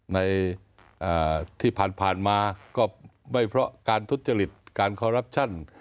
ที่ผ่านมาก็ไม่เพราะการทุจริตการคอรัปชั่น